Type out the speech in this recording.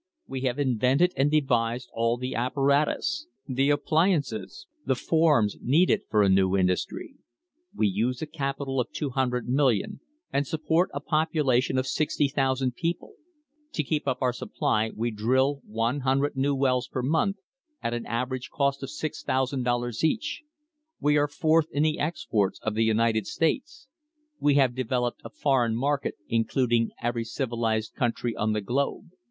We have invented and devised all the apparatus, the appli ances, the forms needed for a new industry. We use a capital of $200,000,000, and support a population of 60,000 people. To keep up our supply we drill 100 new wells per month, at an average cost of $6,000 each. We are fourth in the exports of the United States. We have developed a foreign market, including every civilised country on the globe."